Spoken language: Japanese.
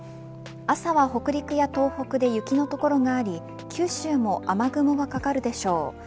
朝は北陸や東北で雪の所があり九州も雨雲がかかるでしょう。